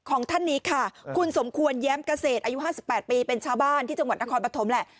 ท่านนี้ค่ะคุณสมควรแย้มเกษตรอายุ๕๘ปีเป็นชาวบ้านที่จังหวัดนครปฐมแหละ